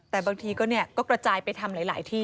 แต่บางทีก็กระจายไปทำหลายที่